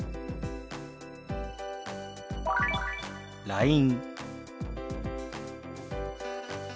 「ＬＩＮＥ」。